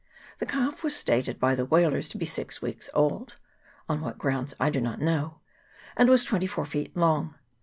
The calf was stated by the whalers to be six weeks old (on what grounds I do not know), and was twenty four feet long.